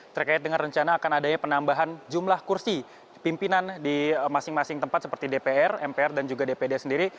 terkait dengan rencana akan adanya penambahan jumlah kursi pimpinan di masing masing tempat seperti dpr mpr dan juga dpd sendiri